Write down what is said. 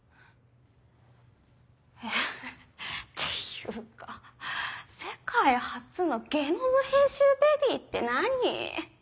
フフっていうか世界初のゲノム編集ベビーって何？